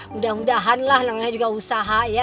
mudah mudahan lah namanya juga usaha ya